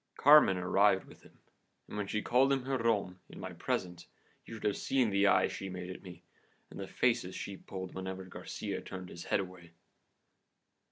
Carmen arrived with him, and when she called him her rom in my presence, you should have seen the eyes she made at me, and the faces she pulled whenever Garcia turned his head away.